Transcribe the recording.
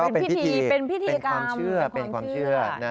เป็นพิธีกรรมเป็นความเชื่อ